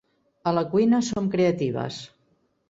A la cuina som creatives.